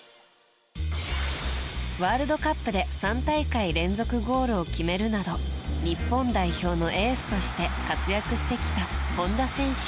ワールドカップで３大会連続ゴールを決めるなど日本代表のエースとして活躍してきた本田選手。